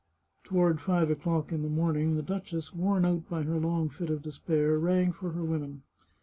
Toward five o'clock in the morning the duchess, worn out by her long fit of despair, rang for her women.